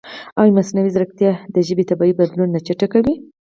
ایا مصنوعي ځیرکتیا د ژبې طبیعي بدلون نه چټکوي؟